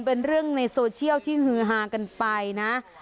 เป็นเรื่องในโซเชียลที่ฮือฮากันไปนะ